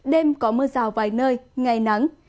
đêm có mưa rào vài nơi ngày nắng